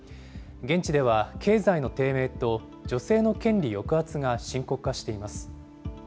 現地では経済の低迷と女性の権利抑圧が深刻化しています。